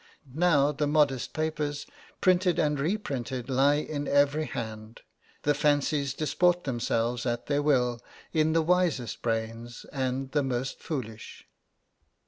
Now, the modest papers, printed and reprinted, lie in every hand, the fancies disport themselves at their will in the wisest brains and the most foolish.